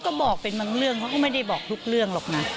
ก็บอกเป็นบางเรื่องเขาก็ไม่ได้บอกทุกเรื่องหรอกนะ